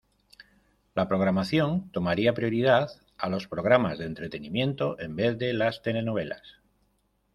La programación tomaría prioridad a los programas de entretenimiento en vez de las telenovelas.